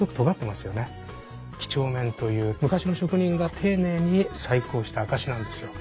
几帳面という昔の職人が丁寧に細工をした証しなんですよ。